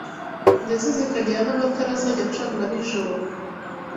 ndetse zikagira n’amatara azajya acanwa nijoro